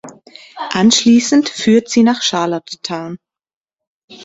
Anschließend führt sie nach Charlottetown.